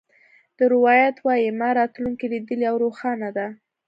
دا روایت وایي ما راتلونکې لیدلې او روښانه ده